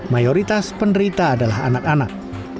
mayoritas penderita adalah anak anak